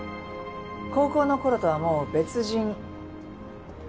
高校の頃とはもう別人。